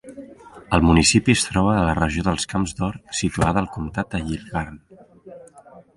El municipi es troba a la regió dels camps d'or, situada al comptat de Yilgarn.